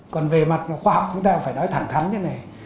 còn về mặt khoa học chúng ta phải nói thẳng thắn thế này